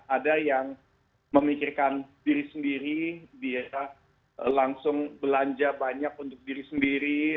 ada yang memikirkan diri sendiri dia langsung belanja banyak untuk diri sendiri